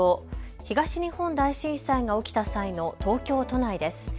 東日本大震災が起きた際の東京都内です。